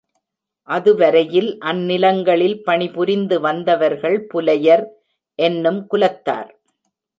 அதுவரையில் அந்நிலங்களில் பணிபுரிந்து வந்தவர்கள் புலையர் என்னும் குலத்தார்.